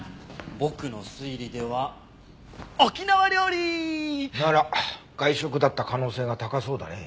僕の推理では沖縄料理！なら外食だった可能性が高そうだね。